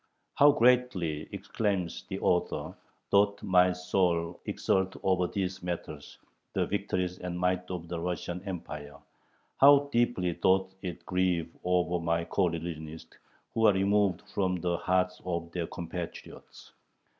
"How greatly," exclaims the author, "doth my soul exult over these matters [the victories and might of the Russian Empire]; how deeply doth it grieve over my coreligionists, who are removed from the hearts of their compatriots."